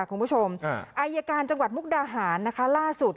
คุณผู้ชมอายการจังหวัดมุกดาหารนะคะล่าสุด